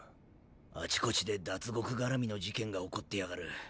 あちこちでダツゴク絡みの事件が起こってやがる。